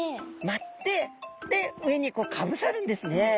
まってで上にこうかぶさるんですね。